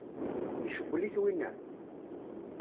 Icewwel-it winna?